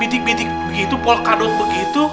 pitik pitik begitu polkadot begitu